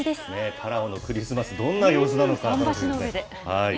パラオのクリスマス、どんな様子なのか、楽しみですね。